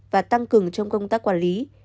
và tăng cường trong công tác quản lý